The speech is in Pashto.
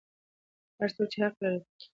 هر څوک حق لري چې په خپله ژبه زده کړه وکړي.